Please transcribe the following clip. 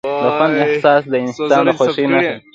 د خوند احساس د انسان د خوښۍ نښه ده.